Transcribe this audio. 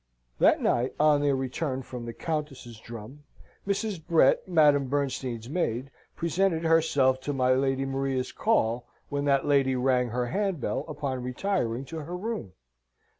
That night, on their return from the Countess's drum, Mrs. Brett, Madame Bernstein's maid, presented herself to my Lady Maria's call, when that lady rang her hand bell upon retiring to her room.